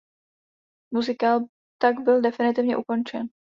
Muzikál tak byl definitivně ukončen.